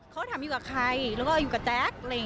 เขาก็ถามอยู่กับใครแล้วก็อยู่กับแจ๊ก